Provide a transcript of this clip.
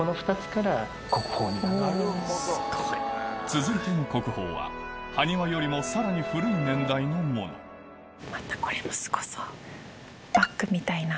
続いての国宝は埴輪よりもさらに古い年代のものこれ。